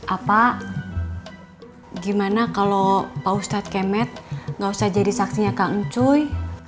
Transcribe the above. apa gimana kalau pak ustadz kemet nggak usah jadi saksinya kak encuy